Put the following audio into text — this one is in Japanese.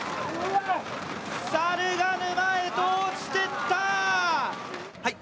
猿が沼へと落ちていった。